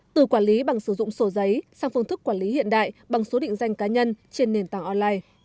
từ quản lý bằng sử dụng sổ giấy sang phương thức quản lý hiện đại bằng số định danh cá nhân trên nền tảng online